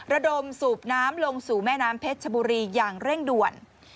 ระดมสูบน้ำลงสู่แม่น้ำเพชรชบุรีอย่างเร่งด่วน